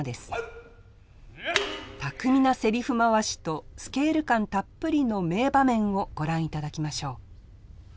巧みなセリフ回しとスケール感たっぷりの名場面をご覧いただきましょう。